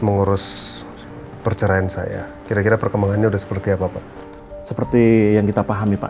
mengurus perceraian saya kira perkembangannya udah seperti apa pak seperti yang kita pahami pak